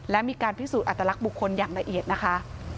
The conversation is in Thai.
และมีการพิสูจนอัตลักษณ์บุคคลอย่างละเอียดนะคะ